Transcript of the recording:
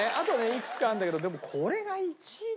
いくつかあるんだけどでもこれが１位？